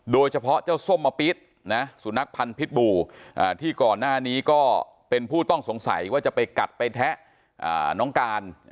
โดยเฉพาะเจ้าส้มมะปี๊ดสุนัขพันธ์พิษบูที่ก่อนหน้านี้ก็เป็นผู้ต้องสงสัยว่าจะไปกัดไปแทะน้องการ